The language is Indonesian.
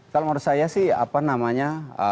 kalau menurut saya sih apa namanya